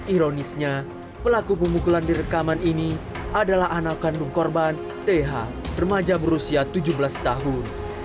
ironisnya pelaku pemukulan di rekaman ini adalah anak kandung korban th remaja berusia tujuh belas tahun